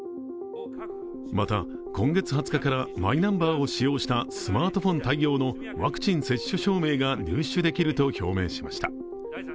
また、今月２０日からマイナンバーを使用したスマートフォン対応のワクチン接種証明が入手できると表明しました。